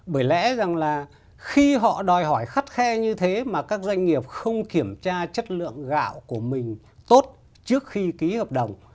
bởi lẽ rằng là khi họ đòi hỏi khắt khe như thế mà các doanh nghiệp không kiểm tra chất lượng gạo của mình tốt trước khi ký hợp đồng